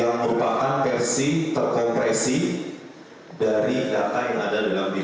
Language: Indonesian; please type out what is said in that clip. yang merupakan versi terkompresi dari data yang ada dalam diri